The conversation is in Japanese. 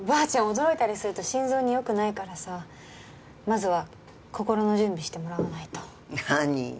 驚いたりすると心臓によくないからさまずは心の準備してもらわないと何？